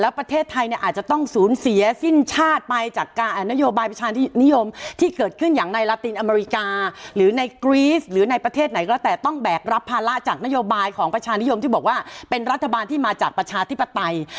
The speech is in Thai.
ประเทศไทยเนี่ยอาจจะต้องสูญเสียสิ้นชาติไปจากนโยบายประชานิยมที่เกิดขึ้นอย่างในลาตินอเมริกาหรือในกรีสหรือในประเทศไหนก็แล้วแต่ต้องแบกรับภาระจากนโยบายของประชานิยมที่บอกว่าเป็นรัฐบาลที่มาจากประชาธิปไตย